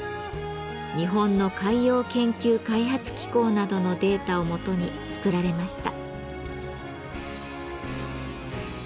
日本の海洋研究開発機構などのデータを基に作られました。